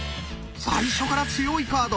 最初から強いカード。